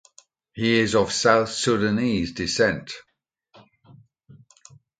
He is of South Sudanese descent.